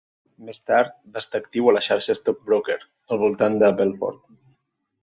Més tard va estar actiu a la xarxa Stockbroker al voltant de Belfort.